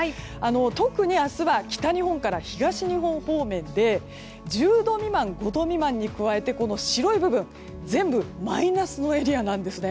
特に明日は北日本から東日本方面で１０度未満、５度未満に加えて白い部分全部マイナスのエリアです。